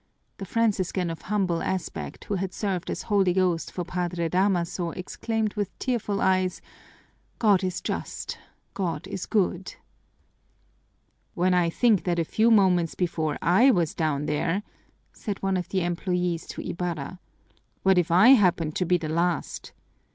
The Franciscan of humble aspect who had served as holy ghost for Padre Damaso exclaimed with tearful eyes, "God is just, God is good!" "When I think that a few moments before I was down there!" said one of the employees to Ibarra. "What if I had happened to be the last!"